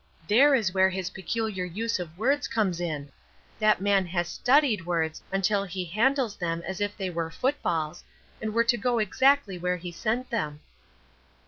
There is where his peculiar use of words comes in. That man has studied words until he handles them as if they were foot balls, and were to go exactly where he sent them."